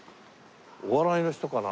お笑いの人かな？